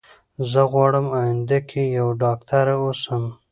زه غواړم اينده کي يوه ډاکتره اوسم